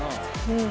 うん。